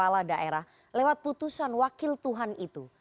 lewat putusan wakil tuhan itu